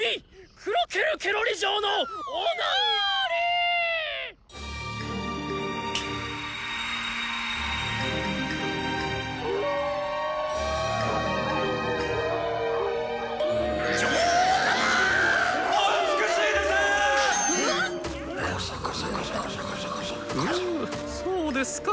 フムそうですか。